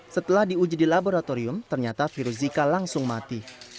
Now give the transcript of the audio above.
setelah diuji di laboratorium ternyata virus zika langsung mati